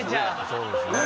そうですね。